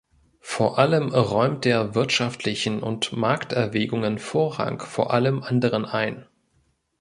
Vor allem räumt er wirtschaftlichen und Markterwägungen Vorrang vor allem anderen ein.